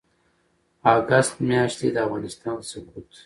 اګسټ میاشتې د افغانستان سقوط